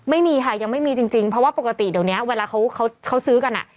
ไม่มีค่ะยังไม่มีจริงเพราะว่าปกติเดี๋ยวนี้เวลาเขาซื้อกันอ่ะ